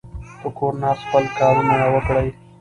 په کور ناست خپل کارونه وکړئ.